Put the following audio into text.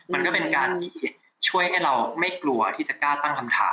มันก็เป็นการที่ช่วยให้เราไม่กลัวที่จะกล้าตั้งคำถาม